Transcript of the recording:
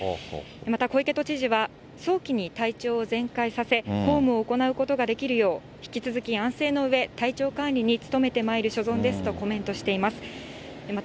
また小池都知事は、早期に体調を全快させ、公務を行うことができるよう、引き続き安静のうえ、体調管理に努めてまいる所存ですとコメントしています。